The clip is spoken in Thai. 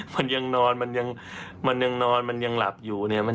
มันยังนอนมันยังนอนมันยังหลับอยู่เนี่ย